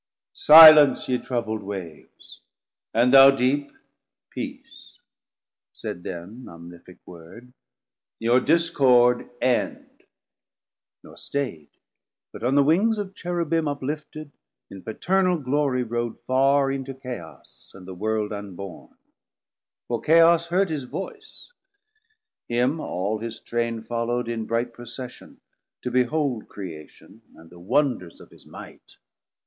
Silence, ye troubl'd waves, and thou Deep, peace, Said then th' Omnific Word, your discord end: Nor staid, but on the Wings of Cherubim Uplifted, in Paternal Glorie rode Farr into Chaos, and the World unborn; 220 For Chaos heard his voice: him all his Traine Follow'd in bright procession to behold Creation, and the wonders of his might.